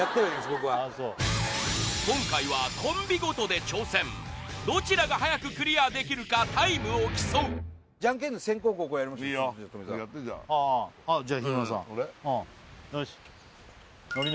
僕は今回はコンビごとで挑戦どちらが早くクリアできるかタイムを競うジャンケンで先攻後攻やりましょういいよやってじゃあああじゃあ日村さん俺？